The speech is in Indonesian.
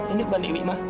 ini bukan dewi